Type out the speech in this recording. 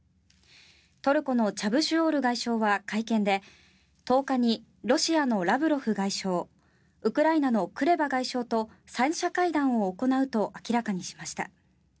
トルコのチャブシュオール外相は会見で１０日にロシアのラブロフ外相ウクライナのクレバ外相と三者会談を行うと明らかにしました。